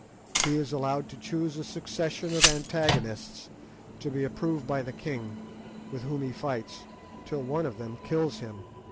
He is allowed to choose a succession of antagonists, to be approved by the king, with whom he fights, till one of them kills him.